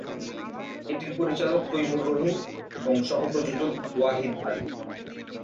এটির পরিচালক তৈমুর রহিম এবং সহ-প্রযোজক ওয়াহিদ আলী।